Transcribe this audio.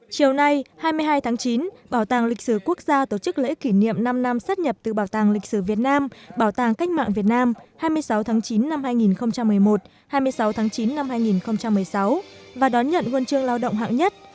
chiều nay hai mươi hai tháng chín bảo tàng lịch sử quốc gia tổ chức lễ kỷ niệm năm năm sát nhập từ bảo tàng lịch sử việt nam bảo tàng cách mạng việt nam hai mươi sáu tháng chín năm hai nghìn một mươi một hai mươi sáu tháng chín năm hai nghìn một mươi sáu và đón nhận huân chương lao động hạng nhất